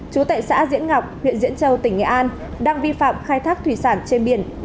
chú tại xã diễn ngọc huyện diễn châu tỉnh nghệ an đang vi phạm khai thác thủy sản trên biển